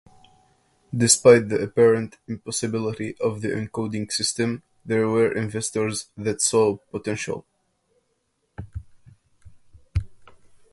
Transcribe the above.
Despite the apparent impossibility of the encoding system, there were investors that saw potential.